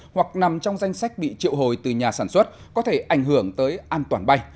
hoặc nằm trong danh sách bị triệu hồi từ nhà sản xuất có thể ảnh hưởng tới an toàn bay